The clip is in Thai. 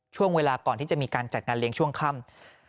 ช่วงเวลาก่อนที่จะมีการจัดงานเลี้ยงช่วงค่ำ